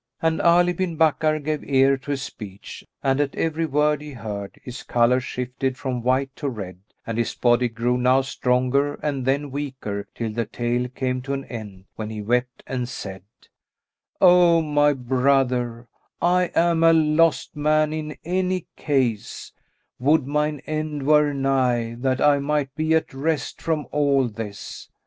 And Ali bin Bakkar gave ear to his speech, and at every word he heard his colour shifted from white to red and his body grew now stronger and then weaker till the tale came to an end, when he wept and said, "O my brother, I am a lost man in any case: would mine end were nigh, that I might be at rest from all this!